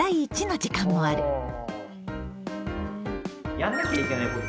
やんなきゃいけないこと